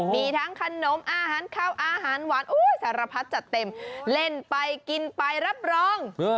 มีทั้งขนมอาหารข้าวอาหารหวานสารพัดจัดเต็มเล่นไปกินไปรับรอง